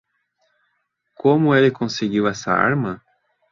Como ele conseguiu essa arma?